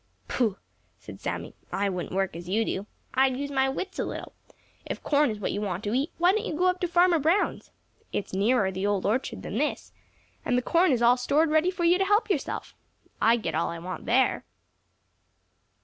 "Pooh!" said Sammy, "I wouldn't work as you do. I'd use my wits a little. If corn is what you want to eat, why don't you go up to Farmer Brown's? It's nearer to the Old Orchard than this, and the corn is all stored ready for you to help yourself. I get all I want there."